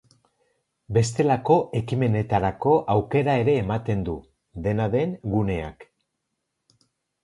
Bestelako ekimenetarako aukera ere ematen du, dena den, guneak.